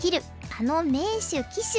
あの名手・鬼手」。